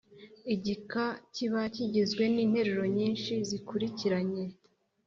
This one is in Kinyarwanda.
Igika kiba kigizwe n’interuro nyinshi zikurikiranye